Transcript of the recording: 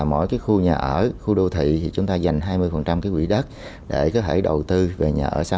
mỗi cái khu nhà ở khu đô thị thì chúng ta dành hai mươi cái quỹ đất để có thể đầu tư về nhà ở xã